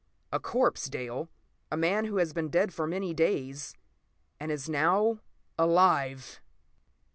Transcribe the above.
A corpse, Dale. A man who has been dead for many days, and is now—alive!"